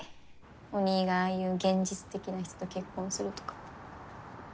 お兄がああいう現実的な人と結婚するとか。